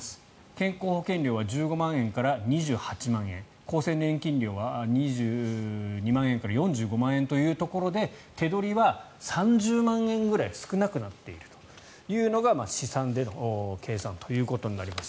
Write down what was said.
健康保険は１５万円から２８万円厚生年金料は２２万円から４５万円というところで手取りは３０万円ぐらい少なくなっているというのが試算での計算となります。